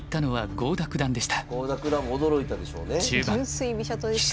郷田九段も驚いたでしょうね。